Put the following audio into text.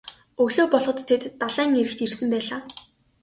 Өглөө болоход тэд далайн эрэгт ирсэн байлаа.